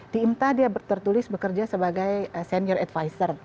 di imta dia tertulis bekerja sebagai senior advisor